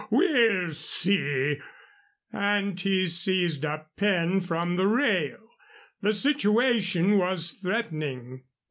we'll see!" and he seized a pin from the rail. The situation was threatening.